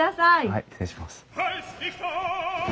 はい失礼します。